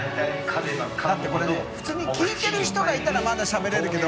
これね普通に聞いてる人がいたらまだしゃべれるけど。